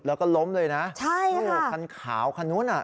หลุดแล้วก็ล้มเลยนะใช่ค่ะโอ้คันขาวคันนู้นอ่ะ